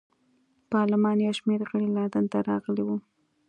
پارلمان یو شمېر غړي لندن ته راغلي وو.